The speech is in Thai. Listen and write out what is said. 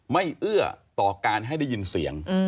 เอื้อต่อการให้ได้ยินเสียง